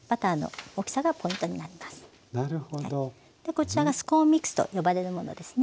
こちらがスコーンミックスと呼ばれるものですね。